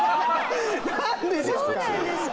何でですか！